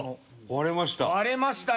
割れました。